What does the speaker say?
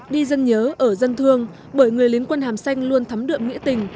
đi dân nhớ ở dân thương bởi người lính quân hàm xanh luôn thắm đượm nghĩa tình